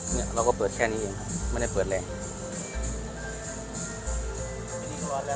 มันก็เปิดแค่นี้เลยค่ะไม่ได้เปิดแล้ว